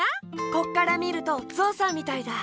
ここからみるとゾウさんみたいだ。